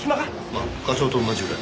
まあ課長と同じぐらい。